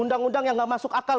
undang undang yang gak masuk akal